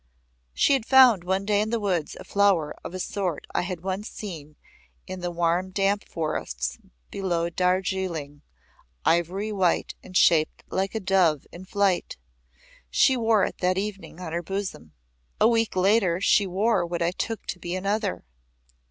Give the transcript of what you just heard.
She had found one day in the woods a flower of a sort I had once seen in the warm damp forests below Darjiling ivory white and shaped like a dove in flight. She wore it that evening on her bosom. A week later she wore what I took to be another.